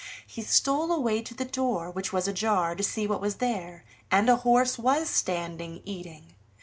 He stole away to the door, which was ajar, to see what was there, and a horse was standing eating.